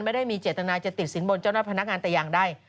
ไม่ได้มีเจตนายจะติดสิงบนเจ้าหน้าพนักงานแต่ยังได้